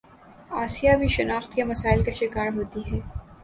آسیہ بھی شناخت کے مسائل کا شکار ہوتی ہے